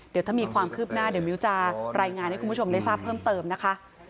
เดี๋ยวถ้ามีความคืบหน้าเดี๋ยวมิ้วจะรายงานให้คุณผู้ชมได้ทราบเพิ่มเติมนะคะ